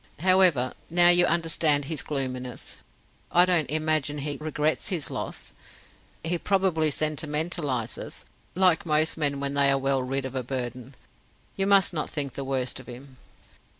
However, now you understand his gloominess. I don't imagine he regrets his loss. He probably sentimentalizes, like most men when they are well rid of a burden. You must not think the worse of him."